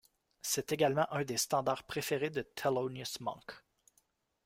C'est également un des standards préférés de Thelonious Monk.